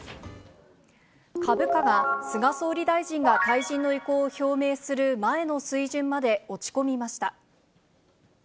株価が、菅総理大臣が退陣の意向を表明する前の水準まで落ち込みました。